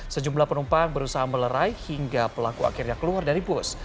sejumlah penumpang berusaha melerai hingga pelaku akhirnya keluar dari bus